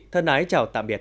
thân ái chào tạm biệt